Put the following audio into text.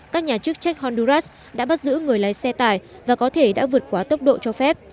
các nhà chức trách honduras đã bắt giữ người lái xe tải và có thể đã vượt quá tốc độ cho phép